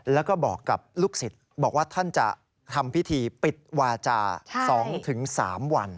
แล้วก็บอกกับลูกศิษย์บอกว่าท่านจะทำพิธีปิดวาจา๒๓วัน